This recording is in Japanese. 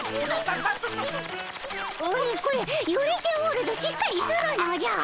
これこれゆれておるぞしっかりするのじゃ。